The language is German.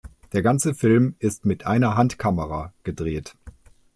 Der ganze Film ist mit einer Handkamera gedreht.